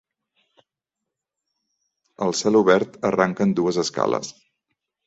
Al celobert arranquen dues escales.